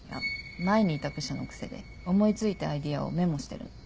前にいた部署の癖で思い付いたアイデアをメモしてるの。